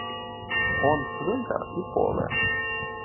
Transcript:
Он цвинтар і поле.